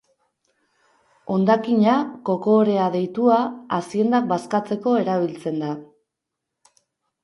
Hondakina, koko-orea deitua, aziendak bazkatzeko erabiltzen da.